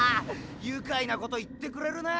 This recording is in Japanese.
愉快なこと言ってくれるね。